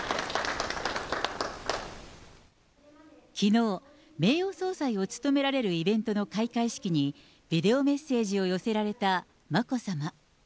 きのう、名誉総裁を務められるイベントの開会式に、ビデオメッセージを寄せられた眞子さま。